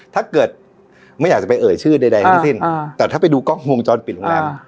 ถ้าเกิดไม่อยากจะไปเอ่ยชื่อใดทั้งสิ้นแต่ถ้าไปดูกล้องวงจรปิดโรงแรม